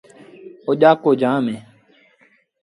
اوڄآڪو جآم اهي۔